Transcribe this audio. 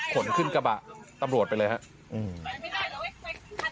ขนขึ้นกระบะต้องเปลี่ยนไปเลยนะครับ